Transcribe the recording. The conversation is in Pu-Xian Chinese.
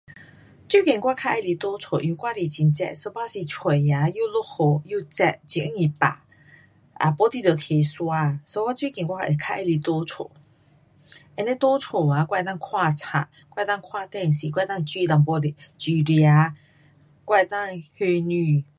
最近我较喜欢在家，因为外里很热，一半时出啊，又落雨又热，很容易病，啊，没你得提伞，so 我最近我自会较喜欢在家。and then 在家啊，我能够看书，我能够看电视，我能够煮一点来煮吃，我能够休息。